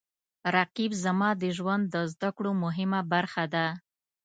رقیب زما د ژوند د زده کړو مهمه برخه ده